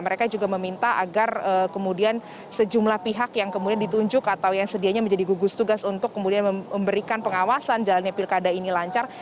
mereka juga meminta agar kemudian sejumlah pihak yang kemudian ditunjuk atau yang sedianya menjadi gugus tugas untuk kemudian memberikan pengawasan jalannya pilkada ini lancar